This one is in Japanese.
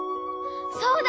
そうだ！